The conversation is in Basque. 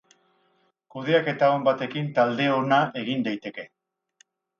Kudeaketa on batekin talde ona egin daiteke.